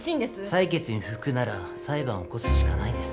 裁決に不服なら裁判を起こすしかないです。